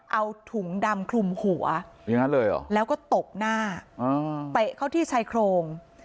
เอาถุงดำคลุมหัวแล้วก็ตกหน้าเปะเข้าที่ชายโครง